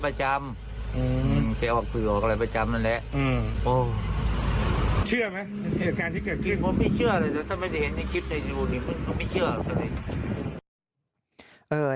ผมไม่เชื่อเลยแต่ถ้าไม่เห็นคลิปในจูงนี้ผมไม่เชื่อเลย